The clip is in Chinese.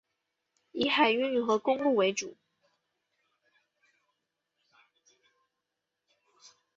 以海运和公路为主。